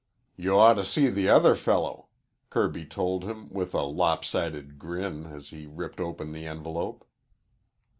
"You ought to see the other fellow," Kirby told him with a lopsided grin as he ripped open the envelope.